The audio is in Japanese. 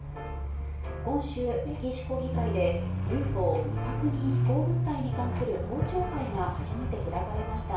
今週、メキシコ議会でＵＦＯ・未確認飛行物体に関する公聴会が初めて開かれました。